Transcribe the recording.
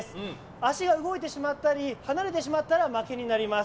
足が動いてしまったり離れてしまったら負けになります。